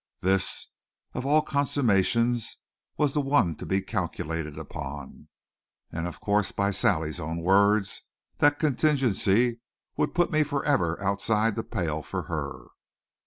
This, of all consummations, was the one to be calculated upon. And, of course, by Sally's own words, that contingency would put me forever outside the pale for her.